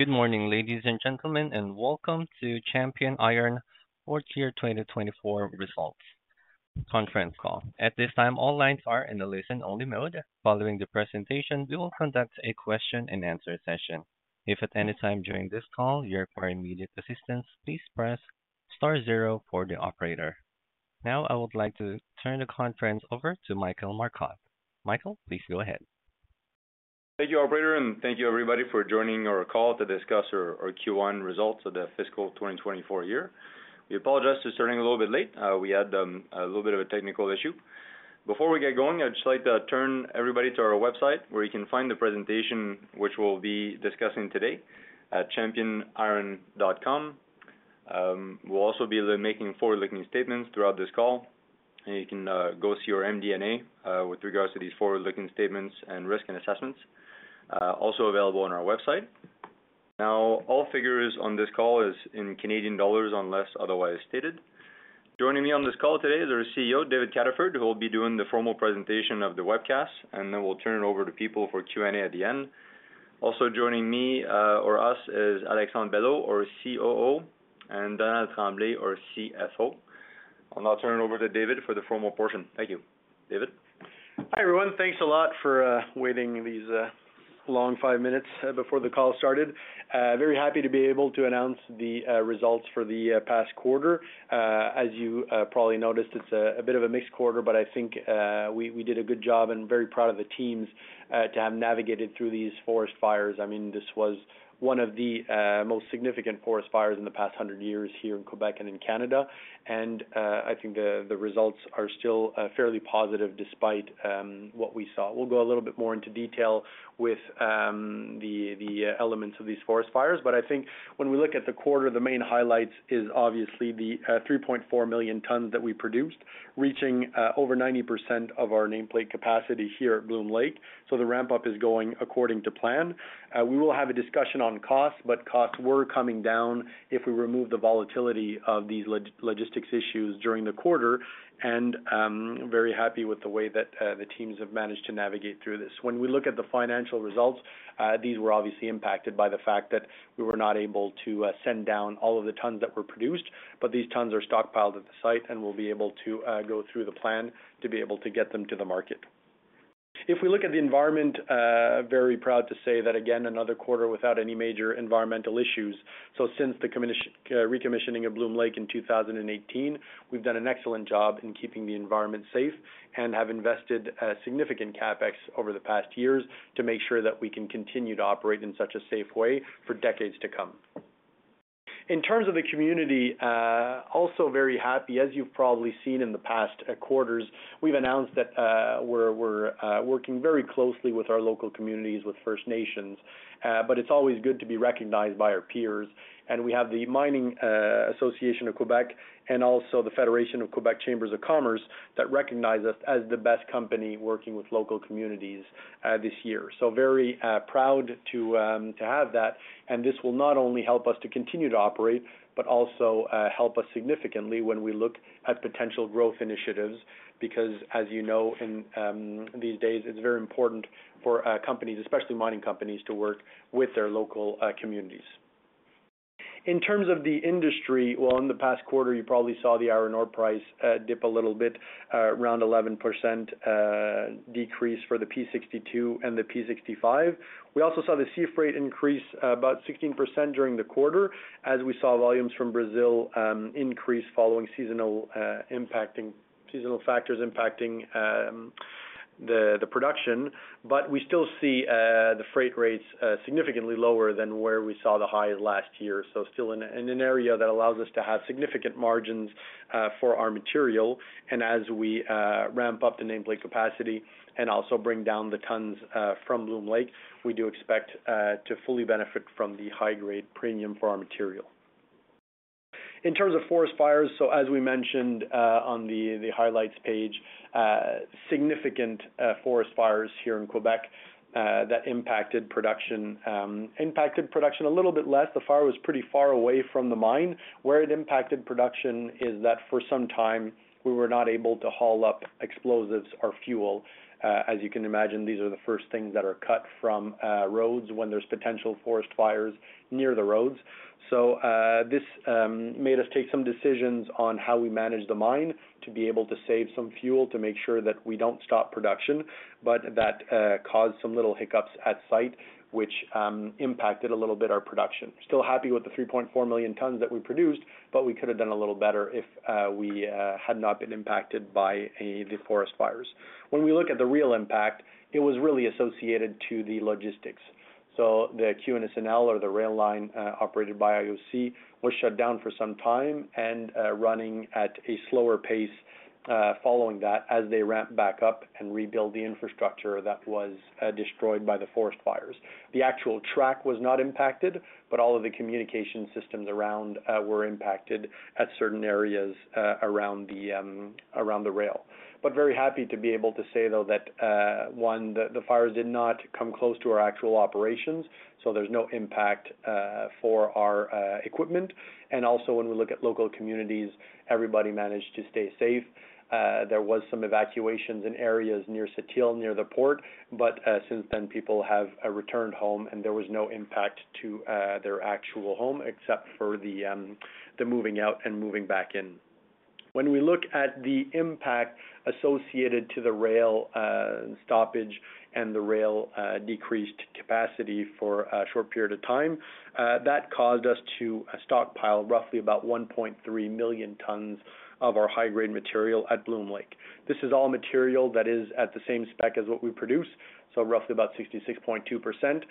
Good morning, ladies and gentlemen, and welcome to Champion Iron fourth year, 2024 results conference call. At this time, all lines are in a listen-only mode. Following the presentation, we will conduct a question-and-answer session. If, at any time during this call, you require immediate assistance, please press Star zero for the operator. Now, I would like to turn the conference over to Michael Marcotte. Michael, please go ahead. Thank you, operator, thank you everybody for joining our call to discuss our, our Q1 results of the fiscal 2024 year. We apologize for starting a little bit late. We had a little bit of a technical issue. Before we get going, I'd just like to turn everybody to our website, where you can find the presentation, which we'll be discussing today at championiron.com. We'll also be making forward-looking statements throughout this call, and you can go see our MD&A with regards to these forward-looking statements and risk and assessments also available on our website. Now, all figures on this call is in Canadian dollars, unless otherwise stated. Joining me on this call today is our CEO, David Cataford, who will be doing the formal presentation of the webcast, and then we'll turn it over to people for Q&A at the end. Also joining me, or us, is Alexandre Belleau, our COO, and Donald Tremblay, our CFO. I'll now turn it over to David for the formal portion. Thank you. David? Hi, everyone. Thanks a lot for waiting these long five minutes before the call started. Very happy to be able to announce the results for the past quarter. As you probably noticed, it's a bit of a mixed quarter, but I think we did a good job and very proud of the teams to have navigated through these forest fires. I mean, this was one of the most significant forest fires in the past 100 years here in Quebec and in Canada. I think the results are still fairly positive despite what we saw. We'll go a little bit more into detail with the elements of these forest fires. I think when we look at the quarter, the main highlights is obviously the 3.4 million tons that we produced, reaching over 90% of our nameplate capacity here at Bloom Lake. The ramp-up is going according to plan. We will have a discussion on costs, but costs were coming down if we remove the volatility of these logistics issues during the quarter, and very happy with the way that the teams have managed to navigate through this. When we look at the financial results, these were obviously impacted by the fact that we were not able to send down all of the tons that were produced, but these tons are stockpiled at the site, and we'll be able to go through the plan to be able to get them to the market. If we look at the environment, very proud to say that again, another quarter without any major environmental issues. Since the recommissioning of Bloom Lake in 2018, we've done an excellent job in keeping the environment safe and have invested significant CapEx over the past years to make sure that we can continue to operate in such a safe way for decades to come. In terms of the community, also very happy. As you've probably seen in the past quarters, we've announced that we're, we're, working very closely with our local communities, with First Nations, but it's always good to be recognized by our peers. We have the Quebec Mining Association and also the Federation of Quebec Chambers of Commerce that recognize us as the best company working with local communities this year. Very proud to have that, and this will not only help us to continue to operate, but also help us significantly when we look at potential growth initiatives, because, as you know, in these days, it's very important for companies, especially mining companies, to work with their local communities. In terms of the industry, well, in the past quarter, you probably saw the iron ore price dip a little bit, around 11% decrease for the P62 and the P65. We also saw the sea freight increase, about 16% during the quarter, as we saw volumes from Brazil increase following seasonal factors impacting the production. We still see the freight rates significantly lower than where we saw the high last year. Still in, in an area that allows us to have significant margins for our material. As we ramp up the nameplate capacity and also bring down the tons from Bloom Lake, we do expect to fully benefit from the high grade premium for our material. In terms of forest fires, as we mentioned, on the, the highlights page, significant forest fires here in Quebec that impacted production, impacted production a little bit less. The fire was pretty far away from the mine. Where it impacted production is that for some time we were not able to haul up explosives or fuel. As you can imagine, these are the first things that are cut from roads when there's potential forest fires near the roads. This made us take some decisions on how we manage the mine to be able to save some fuel, to make sure that we don't stop production. That caused some little hiccups at site, which impacted a little bit our production. Still happy with the 3.4 million tons that we produced, but we could have done a little better if we had not been impacted by the forest fires. When we look at the real impact, it was really associated to the logistics. The QNS&L, or the rail line, operated by IOC, was shut down for some time and running at a slower pace following that, as they ramp back up and rebuild the infrastructure that was destroyed by the forest fires. The actual track was not impacted. All of the communication systems around, were impacted at certain areas, around the, around the rail. Very happy to be able to say, though, that, one, the, the fires did not come close to our actual operations, so there's no impact, for our, equipment. Also, when we look at local communities, everybody managed to stay safe. There was some evacuations in areas near Sept-Îles, near the port, but since then, people have returned home, and there was no impact to their actual home except for the moving out and moving back in. When we look at the impact associated to the rail stoppage and the rail decreased capacity for a short period of time, that caused us to stockpile roughly about 1.3 million tons of our high-grade material at Bloom Lake. This is all material that is at the same spec as what we produce, so roughly about 66.2%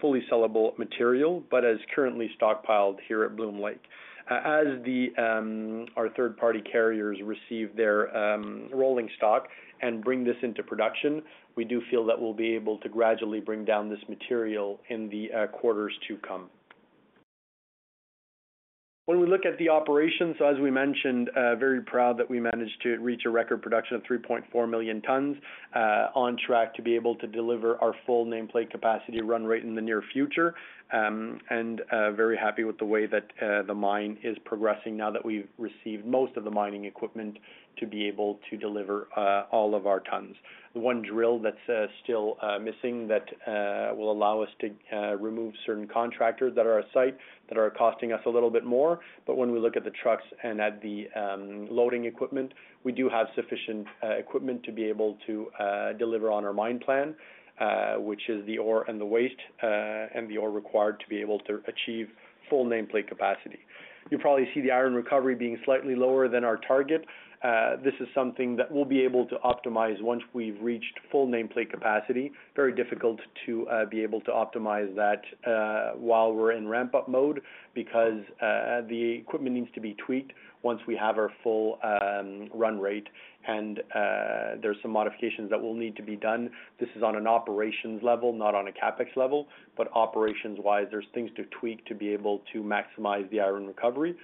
fully sellable material, but is currently stockpiled here at Bloom Lake. As the, our third-party carriers receive their, rolling stock and bring this into production, we do feel that we'll be able to gradually bring down this material in the quarters to come. When we look at the operations, as we mentioned, very proud that we managed to reach a record production of 3.4 million tons, on track to be able to deliver our full nameplate capacity run rate in the near future. Very happy with the way that the mine is progressing now that we've received most of the mining equipment to be able to deliver all of our tons. The one drill that's still missing that will allow us to remove certain contractors that are at site, that are costing us a little bit more. When we look at the trucks and at the loading equipment, we do have sufficient equipment to be able to deliver on our mine plan, which is the ore and the waste, and the ore required to be able to achieve full nameplate capacity. You probably see the iron recovery being slightly lower than our target. This is something that we'll be able to optimize once we've reached full nameplate capacity. Very difficult to be able to optimize that while we're in ramp-up mode, because the equipment needs to be tweaked once we have our full run rate. There's some modifications that will need to be done. This is on an operations level, not on a CapEx level, but operations-wise, there's things to tweak to be able to maximize the iron recovery.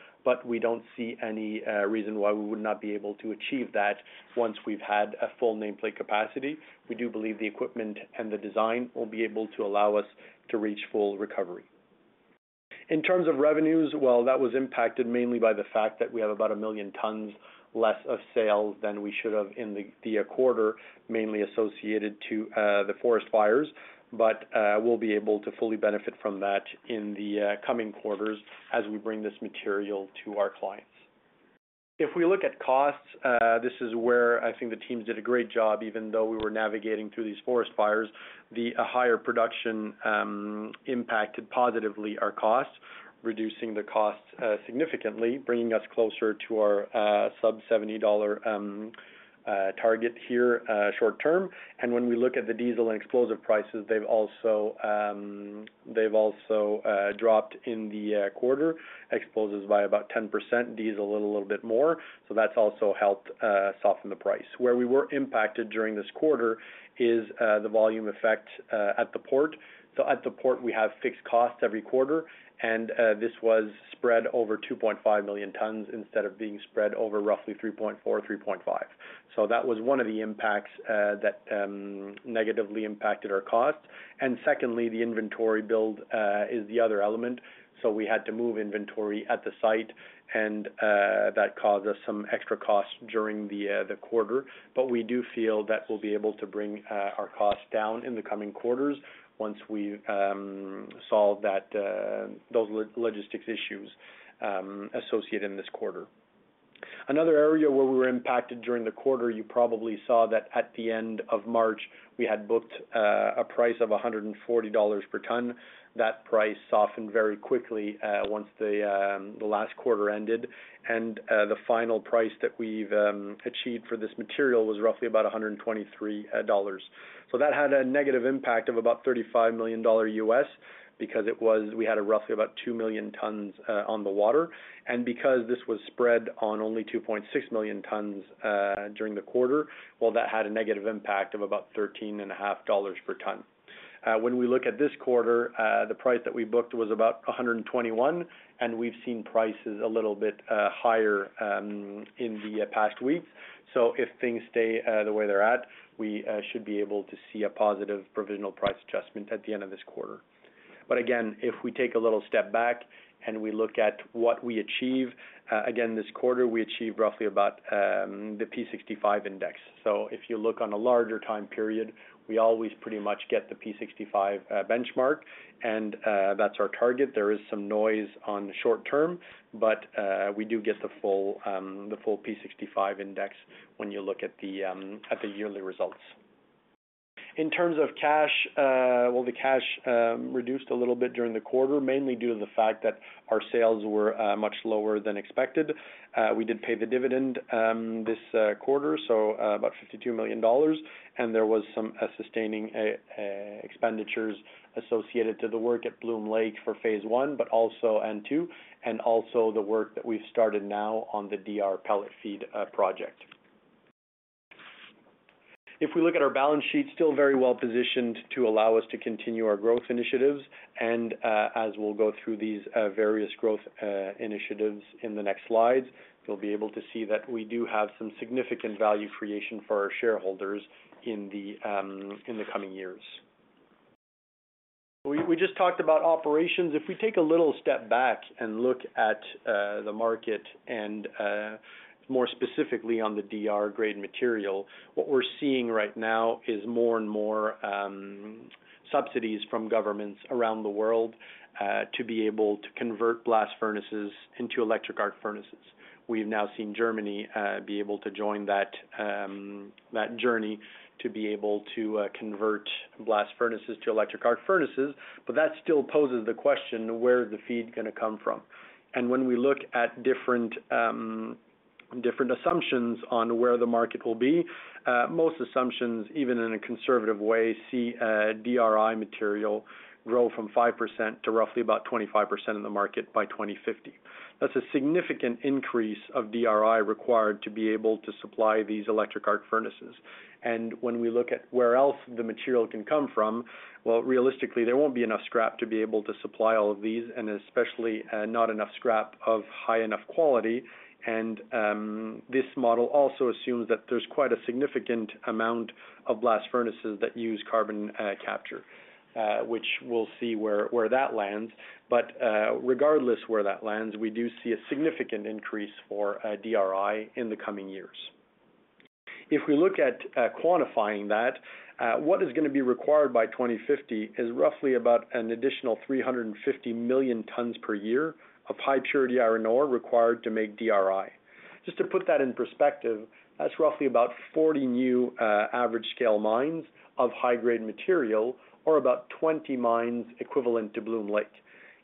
We don't see any reason why we would not be able to achieve that once we've had a full nameplate capacity. We do believe the equipment and the design will be able to allow us to reach full recovery. In terms of revenues, well, that was impacted mainly by the fact that we have about 1 million tons less of sales than we should have in the, the quarter, mainly associated to the forest fires. We'll be able to fully benefit from that in the coming quarters as we bring this material to our clients. If we look at costs, this is where I think the teams did a great job, even though we were navigating through these forest fires. The higher production impacted positively our costs, reducing the costs significantly, bringing us closer to our sub 70 target here short term. When we look at the diesel and explosive prices, they've also dropped in the quarter. Explosives by about 10%, diesel a little bit more, that's also helped soften the price. Where we were impacted during this quarter is the volume effect at the port. At the port, we have fixed costs every quarter, this was spread over 2.5 million tons instead of being spread over roughly 3.4, 3.5. That was one of the impacts that negatively impacted our cost. Secondly, the inventory build is the other element. We had to move inventory at the site, and that caused us some extra costs during the quarter. We do feel that we'll be able to bring our costs down in the coming quarters once we've solved that those logistics issues associated in this quarter. Another area where we were impacted during the quarter, you probably saw that at the end of March, we had booked a price of $140 per ton. That price softened very quickly once the last quarter ended, and the final price that we've achieved for this material was roughly about $123. That had a negative impact of about $35 million, because we had a roughly about 2 million tons on the water. Because this was spread on only 2.6 million tons during the quarter, that had a negative impact of about 13.5 dollars per ton. When we look at this quarter, the price that we booked was about 121, we've seen prices a little bit higher in the past weeks. If things stay the way they're at, we should be able to see a positive provisional price adjustment at the end of this quarter. Again, if we take a little step back and we look at what we achieved, again, this quarter, we achieved roughly about the P65 index. If you look on a larger time period, we always pretty much get the P65 benchmark, that's our target. There is some noise on the short term, but we do get the full, the full P65 index when you look at the, at the yearly results. In terms of cash, well, the cash reduced a little bit during the quarter, mainly due to the fact that our sales were much lower than expected. We did pay the dividend this quarter, so about 52 million dollars, and there was some sustaining expenditures associated to the work at Bloom Lake for phase one, but also, and two, and also the work that we've started now on the DR Pellet Feed Project. If we look at our balance sheet, still very well-positioned to allow us to continue our growth initiatives. As we'll go through these various growth initiatives in the next slides, you'll be able to see that we do have some significant value creation for our shareholders in the coming years. We, we just talked about operations. If we take a little step back and look at the market and more specifically on the DR grade material, what we're seeing right now is more and more subsidies from governments around the world to be able to convert blast furnaces into electric arc furnaces. We've now seen Germany be able to join that that journey to be able to convert blast furnaces to electric arc furnaces. That still poses the question, where is the feed gonna come from? When we look at different, different assumptions on where the market will be, most assumptions, even in a conservative way, see, DRI material grow from 5% to roughly about 25% of the market by 2050. That's a significant increase of DRI required to be able to supply these electric arc furnaces. When we look at where else the material can come from, well, realistically, there won't be enough scrap to be able to supply all of these, and especially, not enough scrap of high enough quality. This model also assumes that there's quite a significant amount of blast furnaces that use carbon capture, which we'll see where, where that lands. Regardless of where that lands, we do see a significant increase for DRI in the coming years. If we look at quantifying that, what is gonna be required by 2050 is roughly about an additional 350 million tons per year of high-purity iron ore required to make DRI. Just to put that in perspective, that's roughly about 40 new average scale mines of high-grade material, or about 20 mines equivalent to Bloom Lake.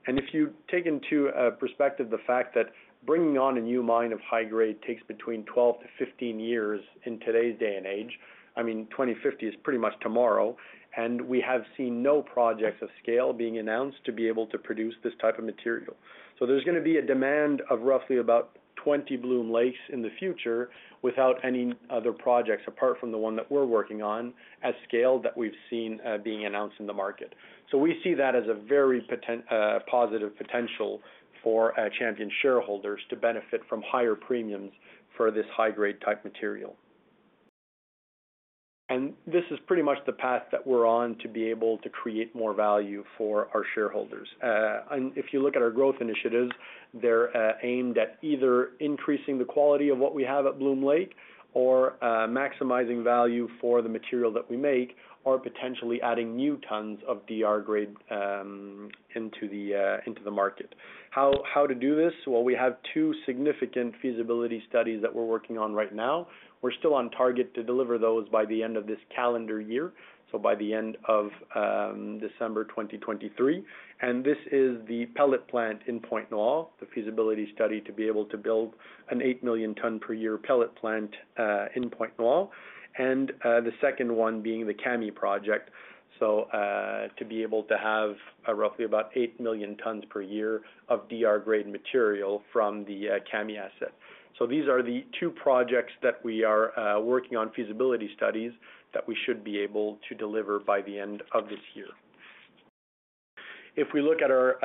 If you take into perspective, the fact that bringing on a new mine of high grade takes between 12 to 15 years in today's day and age, I mean, 2050 is pretty much tomorrow, and we have seen no projects of scale being announced to be able to produce this type of material. There's gonna be a demand of roughly about 20 Bloom Lakes in the future without any other projects, apart from the one that we're working on, at scale, that we've seen, being announced in the market. We see that as a very positive potential for Champion shareholders to benefit from higher premiums for this high-grade type material. This is pretty much the path that we're on to be able to create more value for our shareholders. If you look at our growth initiatives, they're aimed at either increasing the quality of what we have at Bloom Lake or maximizing value for the material that we make, or potentially adding new tons of DR grade into the market. How, how to do this? We have 2 significant feasibility studies that we're working on right now. We're still on target to deliver those by the end of this calendar year, so by the end of December 2023. This is the pellet plant in Pointe-Noire, the feasibility study to be able to build an 8 million ton per year pellet plant in Pointe-Noire, and the second one being the Kami Project. To be able to have roughly about 8 million tons per year of DR grade material from the Kami asset. These are the two projects that we are working on feasibility studies that we should be able to deliver by the end of this year. If we look at our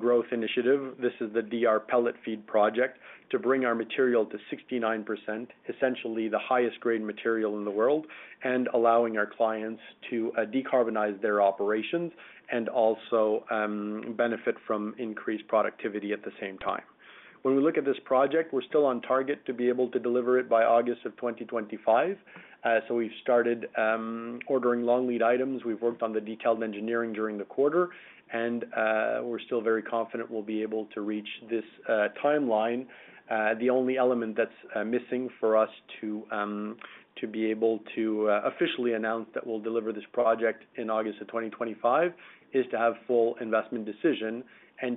growth initiative, this is the DR Pellet Feed Project to bring our material to 69%, essentially the highest grade material in the world, and allowing our clients to decarbonize their operations and also benefit from increased productivity at the same time. When we look at this project, we're still on target to be able to deliver it by August 2025. We've started ordering long lead items. We've worked on the detailed engineering during the quarter, and we're still very confident we'll be able to reach this timeline. The only element that's missing for us to be able to officially announce that we'll deliver this project in August 2025, is to have full investment decision.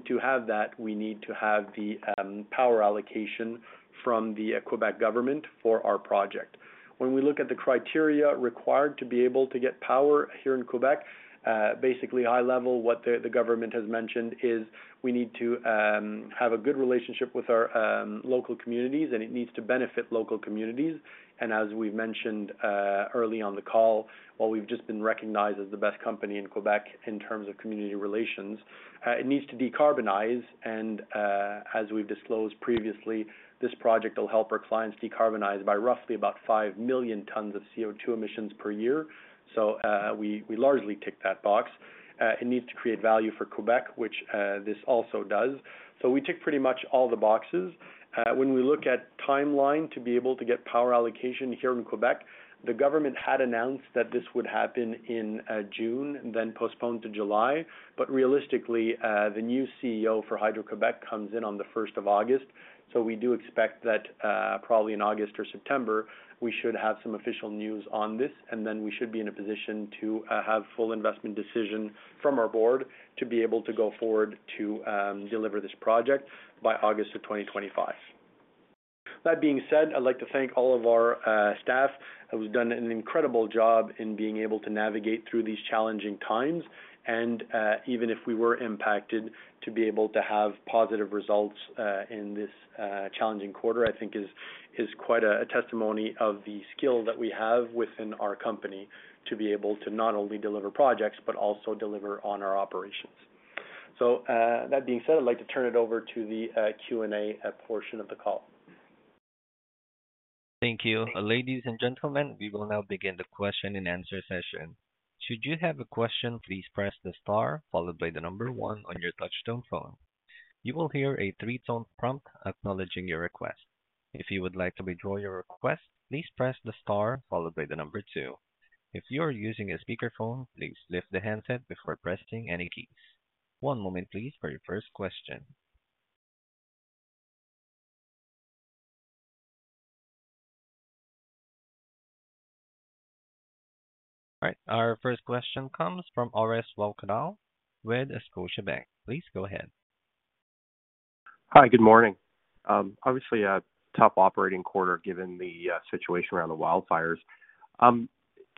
To have that, we need to have the power allocation from the Quebec government for our project. When we look at the criteria required to be able to get power here in Quebec, basically eye level, what the government has mentioned is we need to have a good relationship with our local communities, and it needs to benefit local communities. As we've mentioned, early on the call, while we've just been recognized as the best company in Quebec in terms of community relations, it needs to decarbonize. As we've disclosed previously, this project will help our clients decarbonize by roughly about 5 million tons of CO2 emissions per year. We largely tick that box. It needs to create value for Quebec, which this also does. We tick pretty much all the boxes. When we look at timeline to be able to get power allocation here in Quebec, the government had announced that this would happen in June, then postponed to July. Realistically, the new CEO for Hydro-Québec comes in on the 1st of August. We do expect that probably in August or September, we should have some official news on this, then we should be in a position to have full investment decision from our board to be able to go forward to deliver this project by August of 2025. That being said, I'd like to thank all of our staff, who've done an incredible job in being able to navigate through these challenging times. Even if we were impacted, to be able to have positive results, in this challenging quarter, I think is, is quite a testimony of the skill that we have within our company to be able to not only deliver projects, but also deliver on our operations. That being said, I'd like to turn it over to the Q&A portion of the call. Thank you. Ladies and gentlemen, we will now begin the question and answer session. Should you have a question, please press the star followed by the number one on your touchtone phone. You will hear a three-tone prompt acknowledging your request. If you would like to withdraw your request, please press the star followed by the number two. If you are using a speakerphone, please lift the handset before pressing any keys. One moment please, for your first question. All right, our first question comes from Orest Wowkodaw with Scotiabank. Please go ahead. Hi, good morning. Obviously, a top operating quarter, given the situation around the wildfires.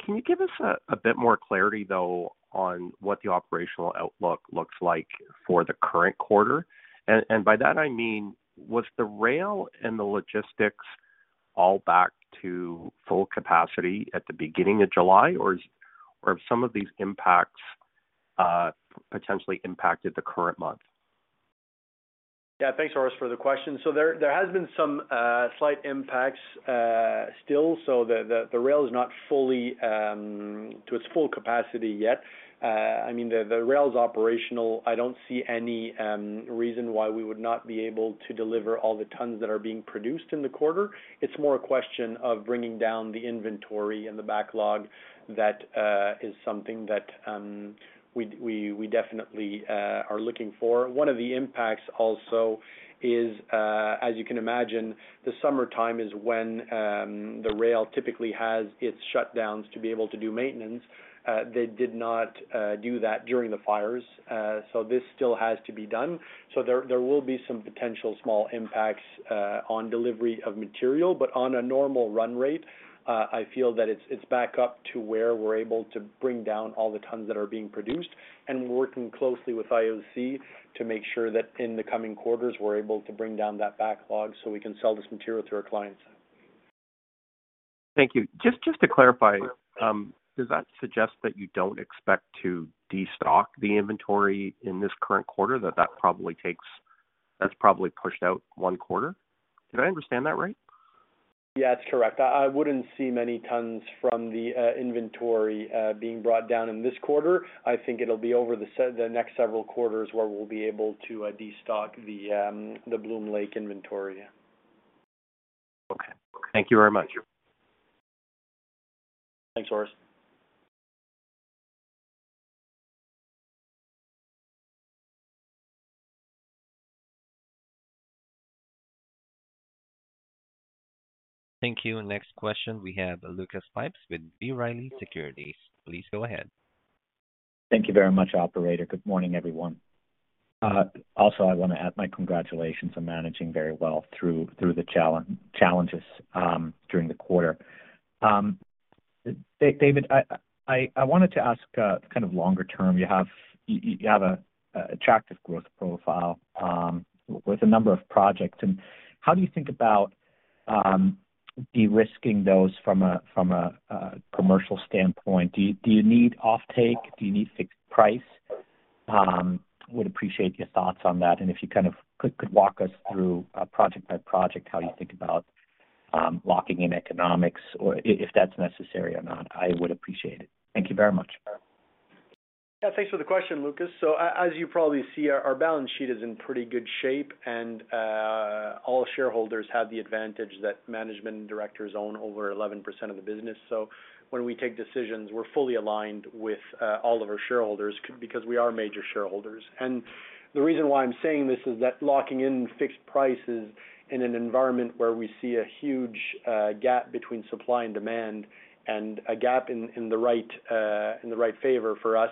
Can you give us a, a bit more clarity, though, on what the operational outlook looks like for the current quarter? By that I mean, was the rail and the logistics all back to full capacity at the beginning of July, or have some of these impacts potentially impacted the current month? Yeah, thanks, Horace, for the question. There, there has been some slight impacts still. The, the, the rail is not fully to its full capacity yet. I mean, the, the rail is operational. I don't see any reason why we would not be able to deliver all the tons that are being produced in the quarter. It's more a question of bringing down the inventory and the backlog that is something that we, we, we definitely are looking for. One of the impacts also is, as you can imagine, the summertime is when the rail typically has its shutdowns to be able to do maintenance. They did not do that during the fires, this still has to be done. There, there will be some potential small impacts on delivery of material, but on a normal run rate, I feel that it's, it's back up to where we're able to bring down all the tons that are being produced. We're working closely with IOC to make sure that in the coming quarters, we're able to bring down that backlog so we can sell this material to our clients. Thank you. Just, just to clarify, does that suggest that you don't expect to destock the inventory in this current quarter? That that probably that's probably pushed out one quarter. Did I understand that right? Yeah, that's correct. I, I wouldn't see many tons from the inventory being brought down in this quarter. I think it'll be over the next several quarters where we'll be able to destock the Bloom Lake inventory. Okay. Thank you very much. Thanks, Orest. Thank you. Next question, we have Lucas Pipes with B. Riley Securities. Please go ahead. Thank you very much, operator. Good morning, everyone. Also, I want to add my congratulations on managing very well through, through the challenges during the quarter. David, I, I, I wanted to ask, kind of longer term, you have, you, you have a attractive growth profile, with a number of projects, and how do you think about, de-risking those from a, from a, a commercial standpoint? Do you, do you need offtake? Do you need fixed price? Would appreciate your thoughts on that, and if you kind of could, could walk us through, project by project, how you think about, locking in economics or if that's necessary or not, I would appreciate it. Thank you very much. Yeah, thanks for the question, Lucas. A-as you probably see, our, our balance sheet is in pretty good shape, and all shareholders have the advantage that management and directors own over 11% of the business. When we take decisions, we're fully aligned with all of our shareholders, because we are major shareholders. The reason why I'm saying this is that locking in fixed prices in an environment where we see a huge gap between supply and demand and a gap in, in the right in the right favor for us,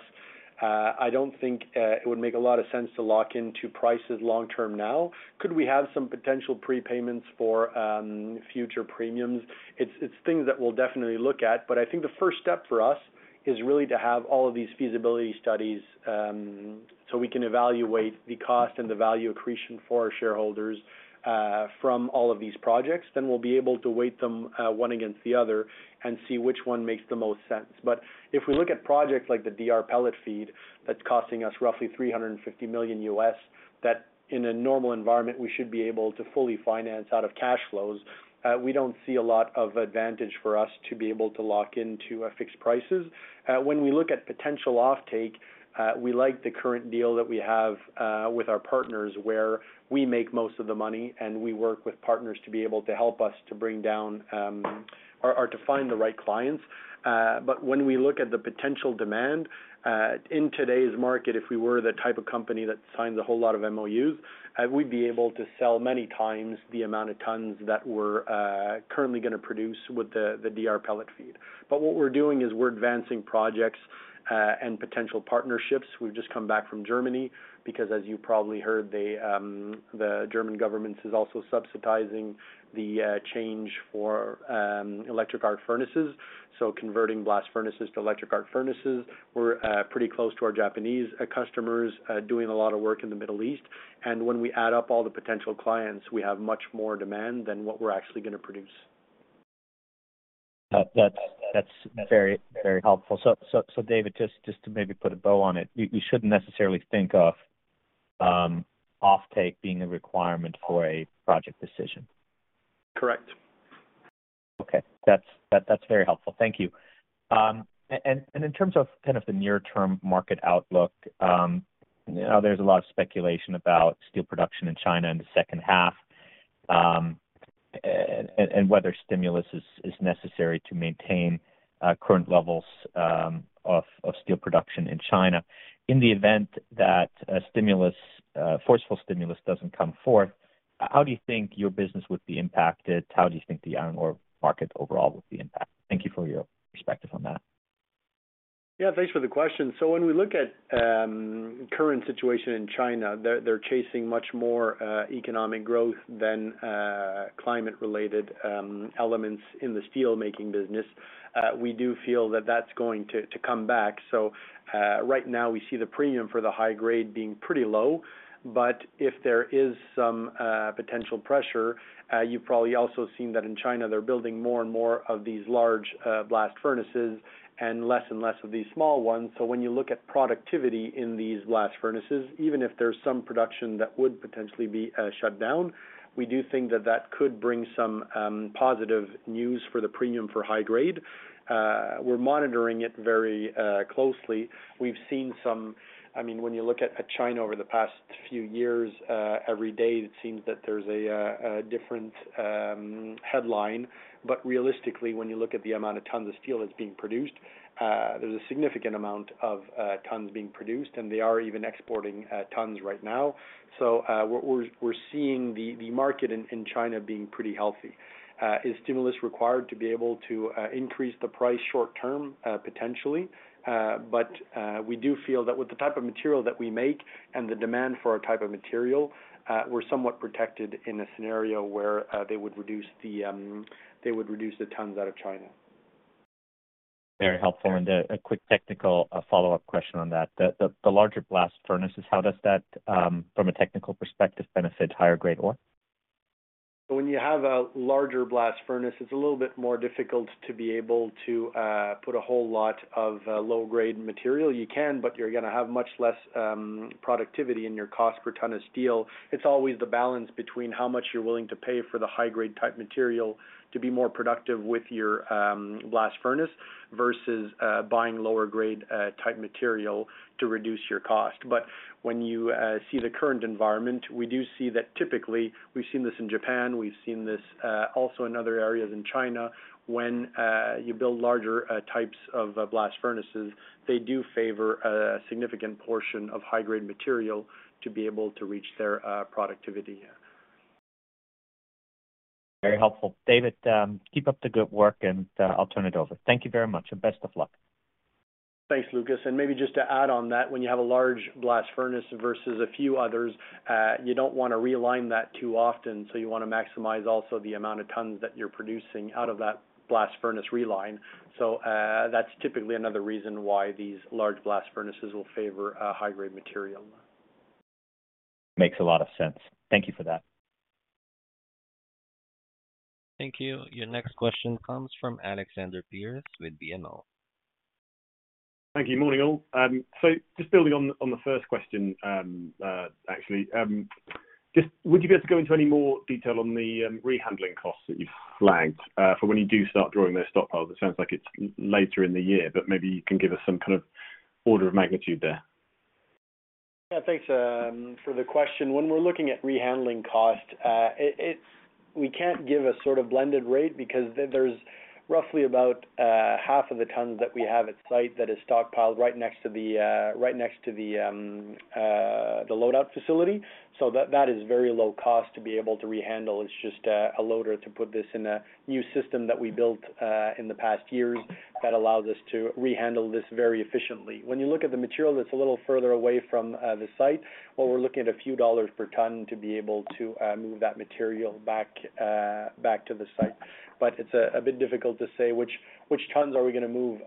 I don't think it would make a lot of sense to lock into prices long term now. Could we have some potential prepayments for future premiums? It's, it's things that we'll definitely look at, but I think the first step for us is really to have all of these feasibility studies, so we can evaluate the cost and the value accretion for our shareholders, from all of these projects. We'll be able to weight them, one against the other and see which one makes the most sense. If we look at projects like the DR pellet feed, that's costing us roughly $350 million, that in a normal environment, we should be able to fully finance out of cash flows. We don't see a lot of advantage for us to be able to lock into fixed prices. When we look at potential offtake, we like the current deal that we have with our partners, where we make most of the money and we work with partners to be able to help us to bring down, or, or to find the right clients. When we look at the potential demand in today's market, if we were the type of company that signs a whole lot of MOUs, we'd be able to sell many times the amount of tons that we're currently going to produce with the DR pellet feed. What we're doing is we're advancing projects and potential partnerships. We've just come back from Germany because, as you probably heard, the German government is also subsidizing the change for electric arc furnaces, so converting blast furnaces to electric arc furnaces. We're pretty close to our Japanese customers doing a lot of work in the Middle East, and when we add up all the potential clients, we have much more demand than what we're actually going to produce. That's, that's very, very helpful. So, so David, just, just to maybe put a bow on it, we, we shouldn't necessarily think of, offtake being a requirement for a project decision? Correct. Okay. That's, that's very helpful. Thank you. In terms of kind of the near-term market outlook, you know, there's a lot of speculation about steel production in China in the second half, whether stimulus is, is necessary to maintain, current levels, of, of steel production in China. In the event that a stimulus, forceful stimulus doesn't come forth, how do you think your business would be impacted? How do you think the iron ore market overall would be impacted? Thank you for your perspective on that. Yeah, thanks for the question. When we look at current situation in China, they're chasing much more economic growth than climate-related elements in the steel-making business. We do feel that that's going to come back. Right now, we see the premium for the high grade being pretty low. If there is some potential pressure, you've probably also seen that in China, they're building more and more of these large blast furnaces and less and less of these small ones. When you look at productivity in these blast furnaces, even if there's some production that would potentially be shut down, we do think that that could bring some positive news for the premium for high grade. We're monitoring it very closely. We've seen I mean, when you look at, at China over the past few years, every day, it seems that there's a different headline. Realistically, when you look at the amount of tons of steel that's being produced, there's a significant amount of tons being produced, and they are even exporting tons right now. What we're seeing the market in China being pretty healthy. Is stimulus required to be able to increase the price short term? Potentially, but we do feel that with the type of material that we make and the demand for our type of material, we're somewhat protected in a scenario where they would reduce the, they would reduce the tons out of China. Very helpful. A quick technical follow-up question on that. The, the larger blast furnaces, how does that, from a technical perspective, benefit higher grade ore? When you have a larger blast furnace, it's a little bit more difficult to be able to put a whole lot of low-grade material. You can, but you're going to have much less productivity in your cost per tonne of steel. It's always the balance between how much you're willing to pay for the high-grade type material to be more productive with your blast furnace, versus buying lower grade type material to reduce your cost. When you see the current environment, we do see that typically, we've seen this in Japan, we've seen this also in other areas in China, when you build larger types of blast furnaces, they do favor a significant portion of high-grade material to be able to reach their productivity. Very helpful. David, keep up the good work, and, I'll turn it over. Thank you very much, and best of luck. Thanks, Lucas. Maybe just to add on that, when you have a large blast furnace versus a few others, you don't want to realign that too often, so you want to maximize also the amount of tonnes that you're producing out of that blast furnace realign. That's typically another reason why these large blast furnaces will favor a high-grade material. Makes a lot of sense. Thank you for that. Thank you. Your next question comes from Alexander Pearce with BMO Capital Markets. Thank you. Morning, all. just building on, on the first question, actually, just would you be able to go into any more detail on the rehandling costs that you've flagged for when you do start drawing those stockpiles? It sounds like it's later in the year, but maybe you can give us some kind of order of magnitude there. Yeah, thanks for the question. When we're looking at rehandling cost, it we can't give a sort of blended rate because there's roughly about half of the tons that we have at site that is stockpiled right next to the right next to the loadout facility. That, that is very low cost to be able to rehandle. It's just a loader to put this in a new system that we built in the past years that allows us to rehandle this very efficiently. When you look at the material that's a little further away from the site, well, we're looking at a few CAD per ton to be able to move that material back back to the site. It's a bit difficult to say which, which tons are we going to move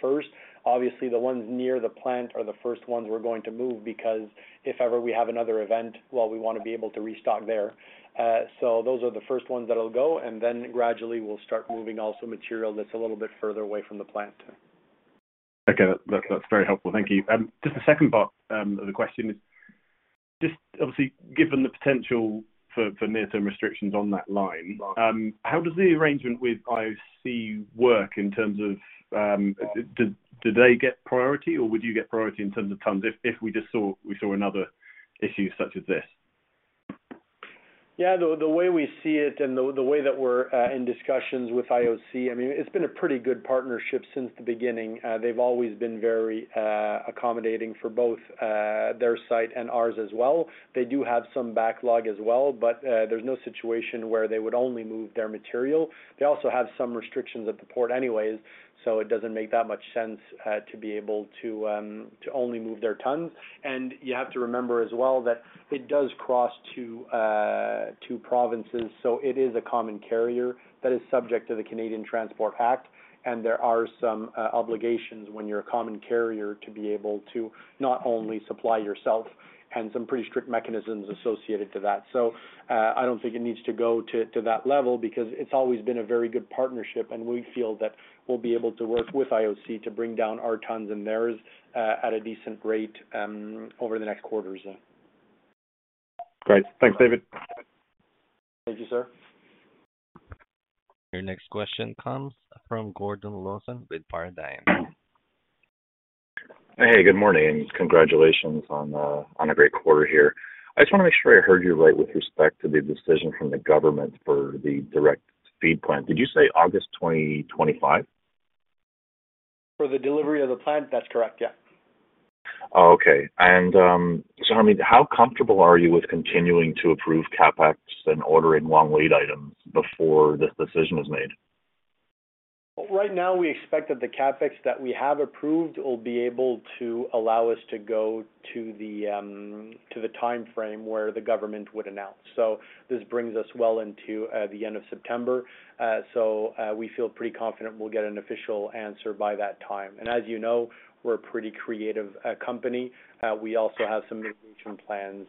first. Obviously, the ones near the plant are the first ones we're going to move, because if ever we have another event, well, we want to be able to restock there. Those are the first ones that'll go, and then gradually we'll start moving also material that's a little bit further away from the plant. Okay, that, that's very helpful. Thank you. Just the second part of the question is, just obviously, given the potential for, for near-term restrictions on that line, how does the arrangement with IOC work in terms of, do, do they get priority, or would you get priority in terms of tonnes if, if we just saw, we saw another issue such as this? Yeah, the, the way we see it and the, the way that we're in discussions with IOC, I mean, it's been a pretty good partnership since the beginning. They've always been very accommodating for both their site and ours as well. They do have some backlog as well, but there's no situation where they would only move their material. They also have some restrictions at the port anyways, so it doesn't make that much sense to be able to only move their tonnes. You have to remember as well, that it does cross two, two provinces, so it is a common carrier that is subject to the Canada Transportation Act, and there are some obligations when you're a common carrier, to be able to not only supply yourself and some pretty strict mechanisms associated to that. I don't think it needs to go to, to that level because it's always been a very good partnership, and we feel that we'll be able to work with IOC to bring down our tonnes and theirs, at a decent rate, over the next quarters, yeah. Great. Thanks, David. Thank you, sir. Your next question comes from Gordon Lawson with Paradigm Capital. Hey, good morning. Congratulations on, on a great quarter here. I just want to make sure I heard you right with respect to the decision from the government for the Direct Feed Plant. Did you say August 2025? For the delivery of the plant? That's correct, yeah. Oh, okay. I mean, how comfortable are you with continuing to approve CapEx and ordering long lead items before this decision is made? Right now, we expect that the CapEx that we have approved will be able to allow us to go to the timeframe where the government would announce. This brings us well into the end of September. We feel pretty confident we'll get an official answer by that time. As you know, we're a pretty creative company. We also have some plans,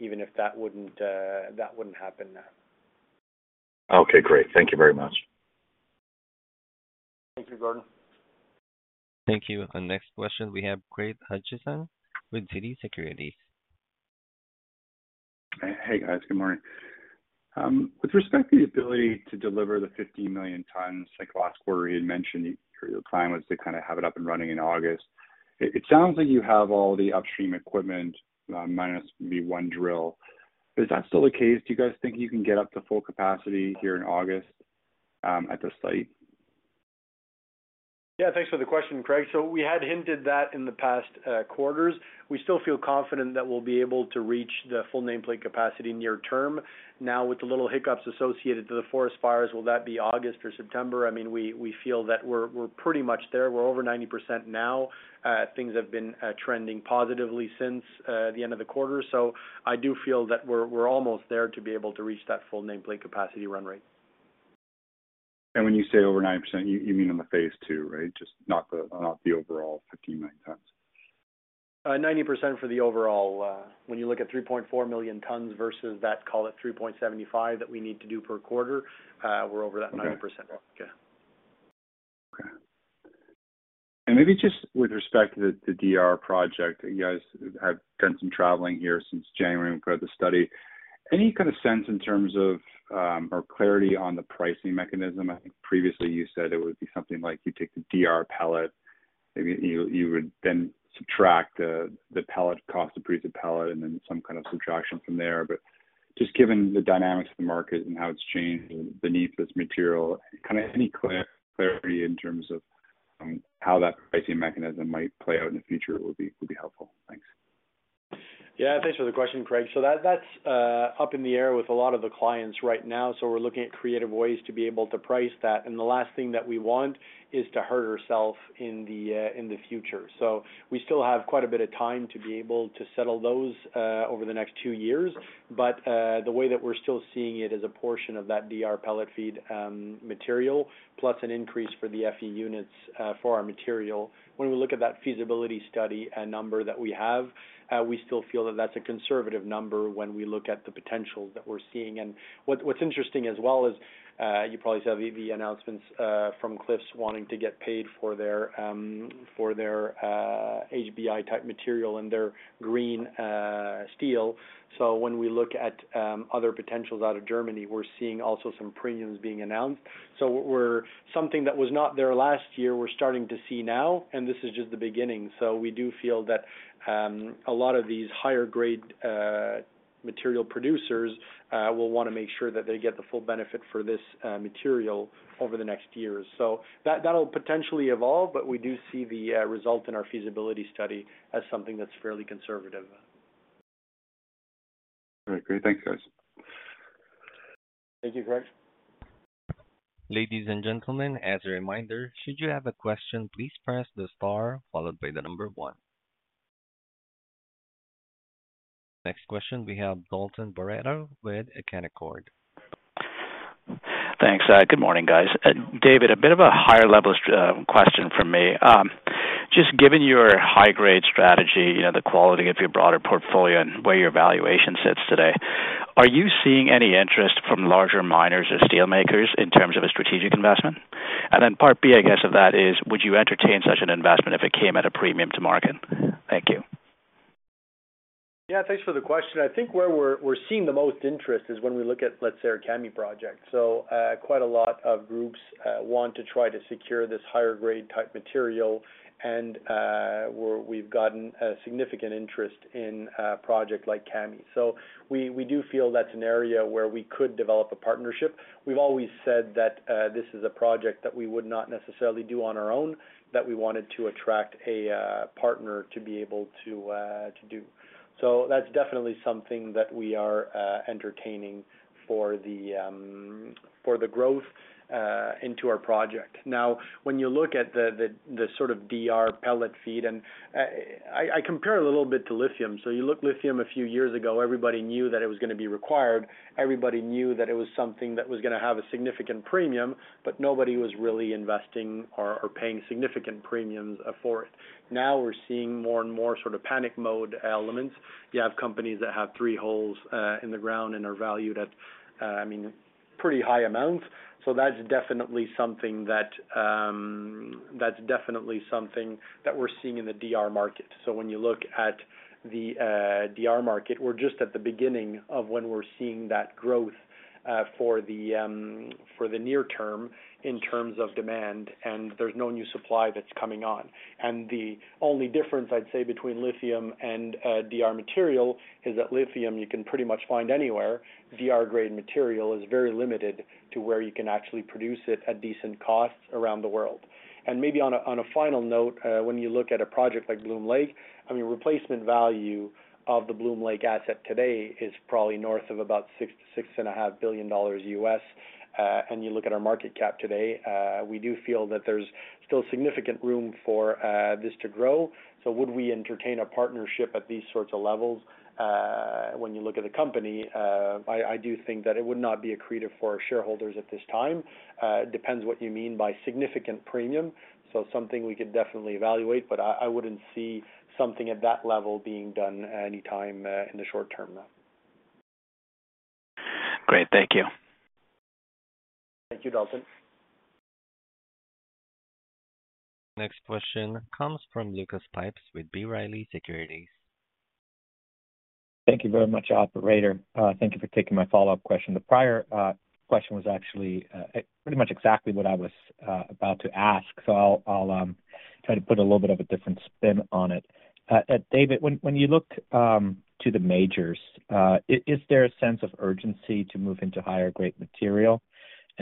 even if that wouldn't that wouldn't happen now. Okay, great. Thank you very much. Thank you, Gordon. Thank you. The next question, we have Craig Hutchison with TD Securities. Hey, guys, good morning. With respect to the ability to deliver the 50 million tons, like last quarter, you had mentioned your plan was to kind of have it up and running in August. It sounds like you have all the upstream equipment, minus the 1 drill. Is that still the case? Do you guys think you can get up to full capacity here in August, at the site? Yeah, thanks for the question, Craig. We had hinted that in the past quarters, we still feel confident that we'll be able to reach the full nameplate capacity near term. Now, with the little hiccups associated to the forest fires, will that be August or September? I mean, we, we feel that we're, we're pretty much there. We're over 90% now. Things have been trending positively since the end of the quarter. I do feel that we're almost there to be able to reach that full nameplate capacity run rate. When you say over 90%, you mean in the Phase II, right? Just not the, not the overall 50 million tons. 90% for the overall. When you look at 3.4 million tons versus that, call it 3.75 that we need to do per quarter, we're over that 90%. Okay. Okay. Maybe just with respect to the DR project, you guys have done some traveling here since January and part of the study. Any kind of sense in terms of, or clarity on the pricing mechanism? I think previously you said it would be something like you take the DR pellet, maybe you, you would then subtract, the pellet cost to produce a pellet and then some kind of subtraction from there. Just given the dynamics of the market and how it's changed beneath this material, kind of any clarity in terms of, how that pricing mechanism might play out in the future would be, would be helpful. Thanks. Yeah, thanks for the question, Craig. That, that's up in the air with a lot of the clients right now. We're looking at creative ways to be able to price that, and the last thing that we want is to hurt ourself in the future. We still have quite a bit of time to be able to settle those over the next two years. The way that we're still seeing it is a portion of that DR pellet feed material, plus an increase for the Fe units for our material. When we look at that feasibility study, a number that we have, we still feel that that's a conservative number when we look at the potential that we're seeing. What, what's interesting as well is, you probably saw the, the announcements from Cliffs wanting to get paid for their, for their HBI type material and their green steel. When we look at other potentials out of Germany, we're seeing also some premiums being announced. Something that was not there last year, we're starting to see now, and this is just the beginning. We do feel that a lot of these higher grade material producers will want to make sure that they get the full benefit for this material over the next years. That, that will potentially evolve, but we do see the result in our feasibility study as something that's fairly conservative. All right, great. Thanks, guys. Thank you, Craig. Ladies and gentlemen, as a reminder, should you have a question, please press the star followed by the number one. Next question, we have Dalton Barreto with Canaccord Genuity. Thanks. Good morning, guys. David, a bit of a higher level question from me. Just given your high grade strategy, you know, the quality of your broader portfolio and where your valuation sits today, are you seeing any interest from larger miners or steel makers in terms of a strategic investment? Then part B, I guess, of that is, would you entertain such an investment if it came at a premium to market? Thank you. Yeah, thanks for the question. I think where we're, we're seeing the most interest is when we look at, let's say, our Kami project. Quite a lot of groups want to try to secure this higher grade type material, and we've gotten a significant interest in a project like Kami. We, we do feel that's an area where we could develop a partnership. We've always said that this is a project that we would not necessarily do on our own, that we wanted to attract a partner to be able to to do. That's definitely something that we are entertaining for the for the growth into our project. When you look at the, the, the sort of DR pellet feed, and I, I, compare it a little bit to lithium. You look lithium a few years ago, everybody knew that it was going to be required. Everybody knew that it was something that was going to have a significant premium, but nobody was really investing or, or paying significant premiums for it. Now, we're seeing more and more sort of panic mode elements. You have companies that have three holes in the ground and are valued at, I mean, pretty high amounts. That's definitely something that we're seeing in the DR market. When you look at the DR market, we're just at the beginning of when we're seeing that growth for the near term in terms of demand, and there's no new supply that's coming on. The only difference, I'd say, between lithium and DR grade material, is that lithium you can pretty much find anywhere. DR grade material is very limited to where you can actually produce it at decent costs around the world. Maybe on a, on a final note, when you look at a project like Bloom Lake, I mean replacement value of the Bloom Lake asset today is probably north of about $6 billion-$6.5 billion. You look at our market cap today, we do feel that there's still significant room for this to grow. Would we entertain a partnership at these sorts of levels? When you look at the company, I, I do think that it would not be accretive for our shareholders at this time. It depends what you mean by significant premium, so something we could definitely evaluate, but I, I wouldn't see something at that level being done anytime in the short term, though. Great. Thank you. Thank you, Dalton. Next question comes from Lucas Pipes with B. Riley Securities. Thank you very much, operator. Thank you for taking my follow-up question. The prior question was actually pretty much exactly what I was about to ask, so I'll, I'll try to put a little bit of a different spin on it. David, when, when you look to the majors, i- is there a sense of urgency to move into higher grade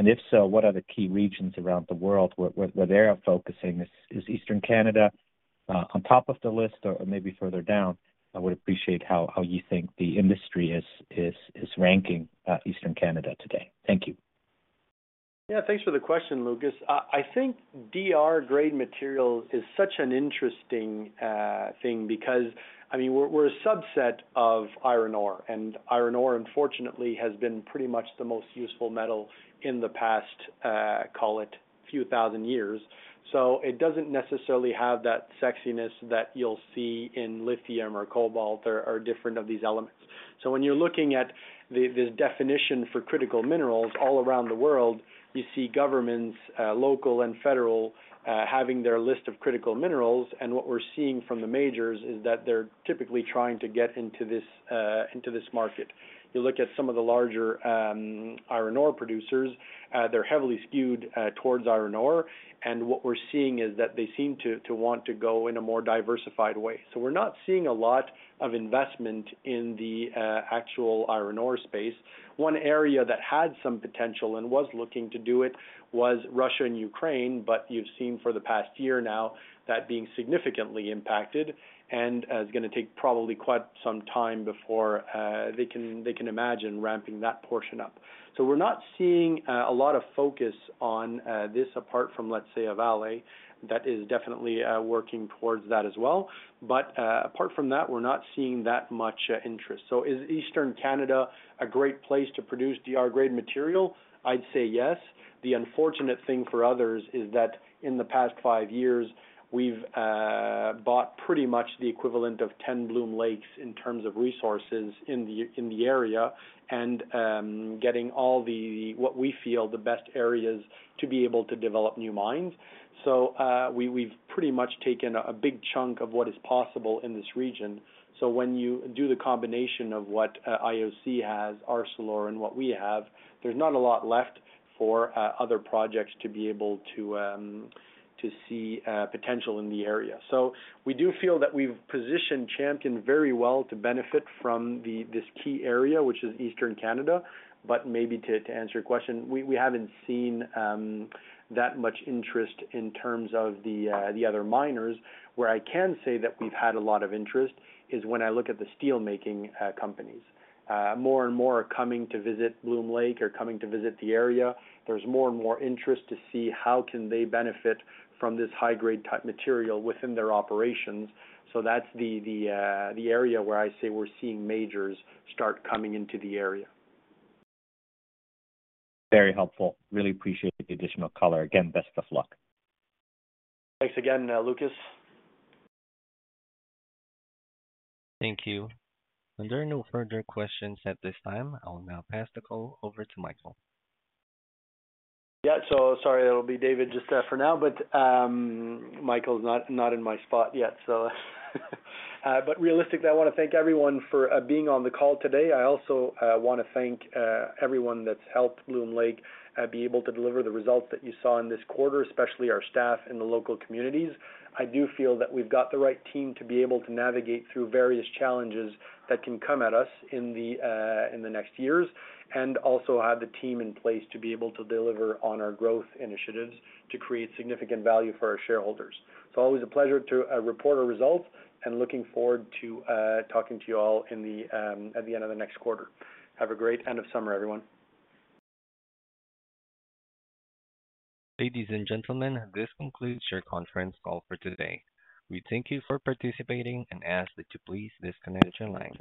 material? If so, what are the key regions around the world, where, where they are focusing? Is, is Eastern Canada on top of the list or maybe further down? I would appreciate how, how you think the industry is, is, is ranking Eastern Canada today. Thank you. Yeah, thanks for the question, Lucas. I think DR grade material is such an interesting thing because, I mean, we're, we're a subset of iron ore, and iron ore, unfortunately, has been pretty much the most useful metal in the past, call it a few thousand years. It doesn't necessarily have that sexiness that you'll see in lithium or cobalt or, or different of these elements. When you're looking at the, the definition for critical minerals all around the world, you see governments, local and federal, having their list of critical minerals, and what we're seeing from the majors is that they're typically trying to get into this, into this market. You look at some of the larger iron ore producers, they're heavily skewed towards iron ore, and what we're seeing is that they seem to, to want to go in a more diversified way. We're not seeing a lot of investment in the actual iron ore space. One area that had some potential and was looking to do it was Russia and Ukraine, but you've seen for the past year now, that being significantly impacted, and it's going to take probably quite some time before they can, they can imagine ramping that portion up. We're not seeing a lot of focus on this apart from, let's say, a Vale, that is definitely working towards that as well. Apart from that, we're not seeing that much interest. Is Eastern Canada a great place to produce DR grade material? I'd say yes. The unfortunate thing for others is that in the past 5 years, we've bought pretty much the equivalent of 10 Bloom Lakes in terms of resources in the area, and getting all the, what we feel, the best areas to be able to develop new mines. We've pretty much taken a big chunk of what is possible in this region. When you do the combination of what IOC has, ArcelorMittal, and what we have, there's not a lot left for other projects to be able to see potential in the area. We do feel that we've positioned Champion very well to benefit from this key area, which is Eastern Canada. Maybe to, to answer your question, we, we haven't seen that much interest in terms of the other miners. Where I can say that we've had a lot of interest is when I look at the steelmaking companies. More and more are coming to visit Bloom Lake or coming to visit the area. There's more and more interest to see how can they benefit from this high grade type material within their operations. That's the, the area where I say we're seeing majors start coming into the area. Very helpful. Really appreciate the additional color. Again, best of luck. Thanks again, Lucas. Thank you. There are no further questions at this time. I will now pass the call over to Michael. Yeah, sorry, it'll be David just for now. Michael's not, not in my spot yet. Realistically, I want to thank everyone for being on the call today. I also want to thank everyone that's helped Bloom Lake be able to deliver the results that you saw in this quarter, especially our staff in the local communities. I do feel that we've got the right team to be able to navigate through various challenges that can come at us in the next years, also have the team in place to be able to deliver on our growth initiatives to create significant value for our shareholders. It's always a pleasure to report our results, looking forward to talking to you all in the at the end of the next quarter. Have a great end of summer, everyone. Ladies and gentlemen, this concludes your Conference Call for today. We thank you for participating and ask that you please disconnect your lines.